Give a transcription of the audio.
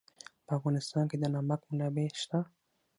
په افغانستان کې د نمک منابع شته.